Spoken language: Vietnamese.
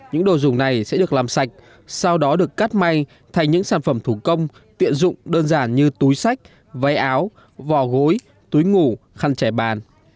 những đồ dùng này sẽ được làm sạch sau đó được cắt may thành những sản phẩm thủ công tiện dụng đơn giản như túi sách váy áo vò gối túi ngủ khăn trẻ bàn